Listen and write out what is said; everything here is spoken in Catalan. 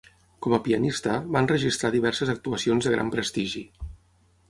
Com a pianista, va enregistrar diverses actuacions de gran prestigi.